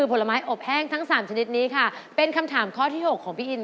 กรัมไม่เท่ากันน่ะพี่อีน